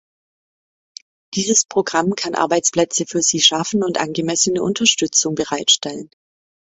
Dieses Programm kann Arbeitsplätze für sie schaffen und angemessene Unterstützung bereitstellen.